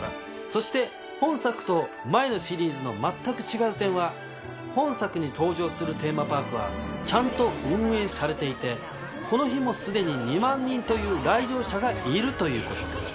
そして本作と前のシリーズの全く違う点は本作に登場するテーマパークはちゃんと運営されていてこの日もすでに２万人という来場者がいるということ。